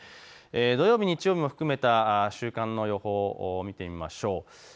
土曜日、日曜日も含めた週間の予報を見てみましょう。